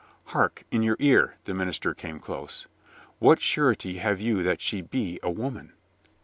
"Hark in your ear!" the minister came close. "What surety have you that she be .a woman?"